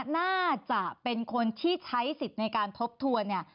น่าจะเป็นคนที่ใช้สิทธิ์ในการทบทวนเนี่ย